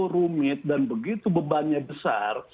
rumit dan begitu bebannya besar